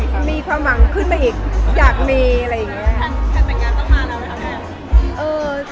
ตอนนี้ก็เลยทำให้มีพลังอยากมีลูกอีก